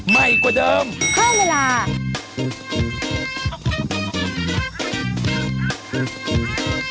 ไหม้กว่าเดิม